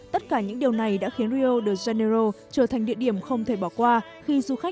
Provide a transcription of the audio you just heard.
tất cả những điều này đã khiến rio de janeiro trở thành địa điểm không thể bỏ qua